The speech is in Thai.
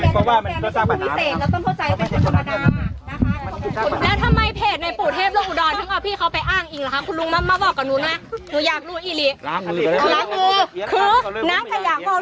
คือเขาไม่ยอมรับหวังตัวเขาคือเขาไม่ยอมรับหวังตัวเขา